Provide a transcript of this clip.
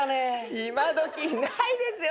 今どきいないですよ